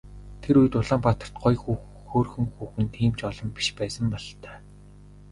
Тэр үед Улаанбаатарт гоё хөөрхөн хүүхэн тийм ч олон биш байсан бололтой.